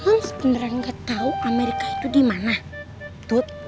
mams mams beneran gak tau amerika itu di mana tut